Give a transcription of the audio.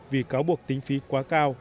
vì cáo buộc tính phí quá cao